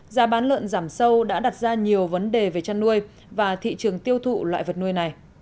giá bán lợn giảm sâu đã đặt ra nhiều vấn đề về chăn nuôi và thị trường tiêu thụ loại vật nuôi này